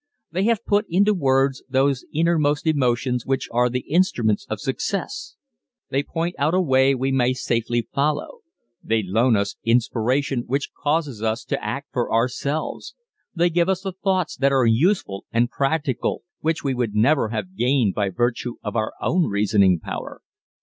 They have put into words those innermost emotions which are the instruments of success. They point out a way we may safely follow. They loan us inspiration which causes us to act for ourselves. They give us thoughts that are useful and practical which we never would have gained by virtue of our own reasoning power.